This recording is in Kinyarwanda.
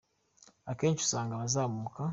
Akenshi usanga abazamuka